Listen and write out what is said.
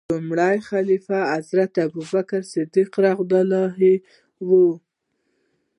لومړنی خلیفه حضرت ابوبکر صدیق رض و.